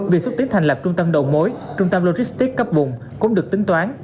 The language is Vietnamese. vì xuất tiến thành lập trung tâm đầu mối trung tâm logistic cấp vùng cũng được tính toán